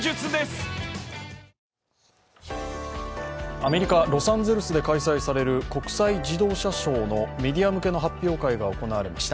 アメリカ・ロサンゼルスで開催される国際自動車ショーのメディア向けの発表会が行われました。